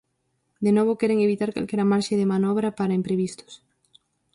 De novo queren evitar calquera marxe de manobra para imprevistos.